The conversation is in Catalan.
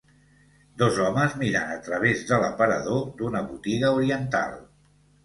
Dos homes mirant a través de l'aparador d'una botiga oriental.